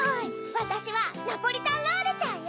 わたしはナポリタンロールちゃんよ。